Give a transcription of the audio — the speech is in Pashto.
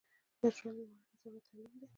د ژوند لمړنۍ ضرورت تعلیم دی